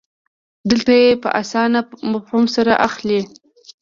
دلته یې په اسانه مفهوم سره اخلئ.